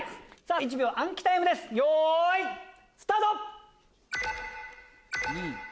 １秒暗記タイムですよいスタート！